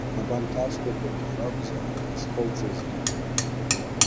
Абанҭ ашкәакәақәа ракәзаап ҳазхылҵызгьы.